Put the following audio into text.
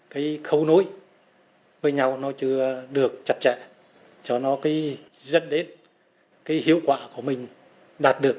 cái khâu nối với nhau nó chưa được chặt chẽ cho nó dẫn đến cái hiệu quả của mình đạt được